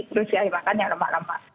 terus ya saya makan yang lemak lemak